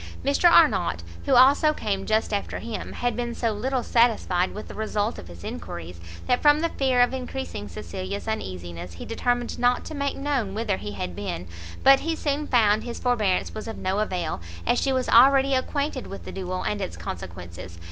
Mr Arnott, who also came just after him, had been so little satisfied with the result of his enquiries, that from the fear of encreasing Cecilia's uneasiness, he determined not to make known whither he had been; but he soon found his forbearance was of no avail, as she was already acquainted with the duel and its consequences.